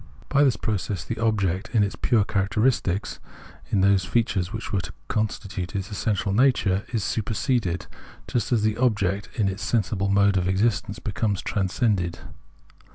By this process the object in its pure characteristics, in those features which were to constitute its essential 120 Phenomenology of Mind nature, is superseded, just as the object in its sensible mode of existence became transcended.